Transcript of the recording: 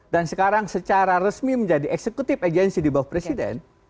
dan sekarang secara resmi menjadi eksekutif agensi di bawah presiden